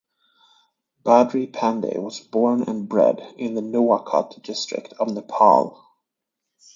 Badri Pandey was born and bred in the Nuwakot District of Nepal.